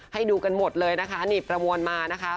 ให้ดูกันหมดเลยนะคะนี่ประมวลมานะคะ